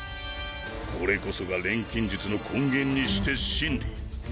これこそが錬金術の根源にして真理。